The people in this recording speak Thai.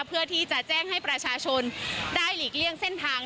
เพื่อที่จะแจ้งให้ประชาชนได้หลีกเลี่ยงเส้นทาง